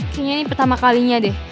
kayaknya ini pertama kalinya deh